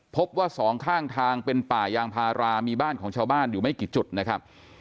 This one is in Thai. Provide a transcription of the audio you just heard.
พบว่าสองข้างทางเป็นป่ายางพารามีบ้านของชาวบ้านอยู่ไม่กี่จุดนะครับ